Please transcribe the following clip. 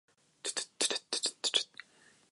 岩手県へ行く